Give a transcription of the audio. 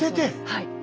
はい。